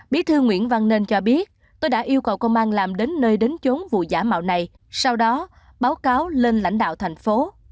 bí thư nguyễn văn nên cho biết tôi đã yêu cầu công an làm đến nơi đến chốn vụ giả mạo này sau đó báo cáo lên lãnh đạo thành phố